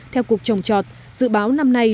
theo cuộc trồng trọt dự báo năm nay